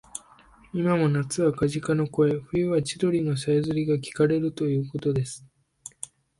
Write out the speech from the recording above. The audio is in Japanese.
いまも夏はカジカの声、冬は千鳥のさえずりがきかれるということです